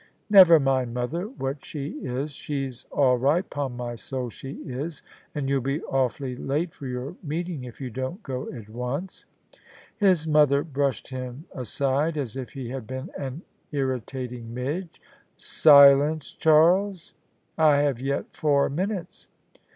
" Never mind, mother, what she is: she's all right — 'pon my soul, she is! And you'll be awfully late for your meeting if you don't go at once." His mother brushed him aside as if he had been an irri tating midge. " Silence, Charles: I have yet four minutes."